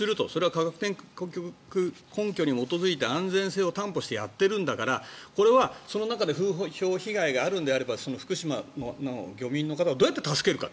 科学的根拠に基づいて安全性を担保してやってるんだからこれはその中で風評被害があるのであれば福島の漁民の方をどうやって助けるか。